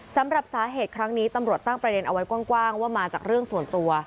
สำหรับสาเหตุครั้งนี้ตำรวจตั้งประเด็นเอาไว้กว้างว่ามาจากเรื่องส่วนตัว